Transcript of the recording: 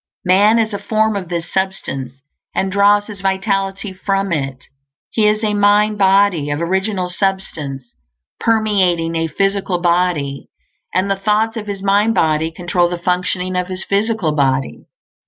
Man is a form of this Substance, and draws his vitality from it; he is a mind body of original substance, permeating a physical body, and the thoughts of his mind body control the functioning of his physical body.